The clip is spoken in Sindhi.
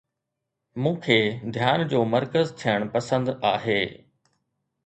مون کي ڌيان جو مرڪز ٿيڻ پسند آهي